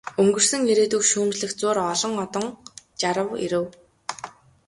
Өнгөрсөн ирээдүйг шүүмжлэх зуур олон одон жарав, жирэв.